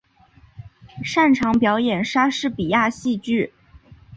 擅长表演莎士比亚戏剧。